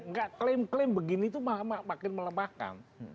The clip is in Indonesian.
nggak klaim klaim begini tuh makin melebahkan